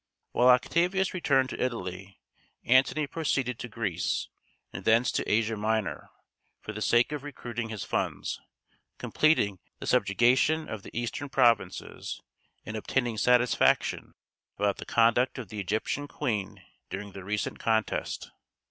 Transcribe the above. While Octavius returned to Italy, Antony proceeded to Greece, and thence to Asia Minor, for the sake of recruiting his funds, completing the subjugation of the Eastern provinces, and obtaining satisfaction about the conduct of the Egyptian queen during the recent contest.